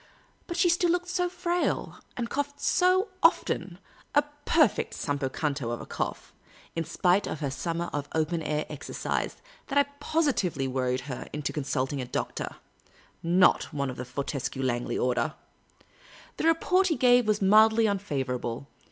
But she still looked so frail, and coughed so often — a perfect Campo Santo of a cough — in spite of her summer of open air exercise, that I positively worried her into consulting a doctor — not one of the Fortescue Langley order. The report he gave was mildly unfavourable.